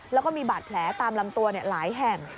แล้วก็มีบาดแผลตามลำตัวหลายแห่ง